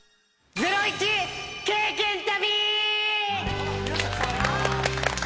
ゼロイチ経験旅！